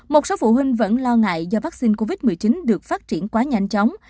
một số phụ huynh vẫn lo ngại do vaccine covid một mươi chín được phát triển quá nhanh chóng